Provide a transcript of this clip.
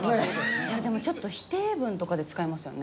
いやでもちょっと否定文とかで使いますよね。